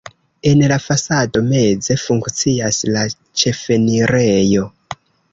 En la fasado meze funkcias la ĉefenirejo.